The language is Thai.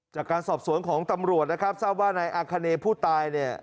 จากการสอบสวนของตำรวจนะครับทราบว่านายอาคเนผู้ตายเนี่ย